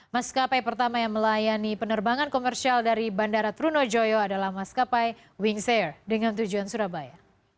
maskapai pertama yang melayani penerbangan komersial dari bandara trunojoyo adalah maskapai wings air dengan tujuan surabaya